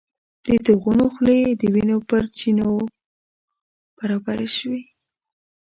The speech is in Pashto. د تیغونو خولې د وینو پر چینو برابرې شوې.